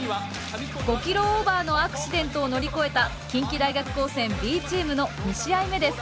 ５キロオーバーのアクシデントを乗り越えた近畿大学高専Ｂチームの２試合目です。